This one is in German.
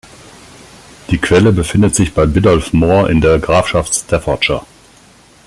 Die Quelle befindet sich bei Biddulph Moor in der Grafschaft Staffordshire.